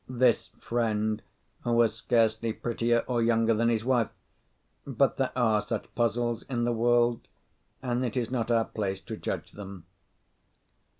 This friend was scarcely prettier or younger than his wife; but there are such puzzles in the world, and it is not our place to judge them.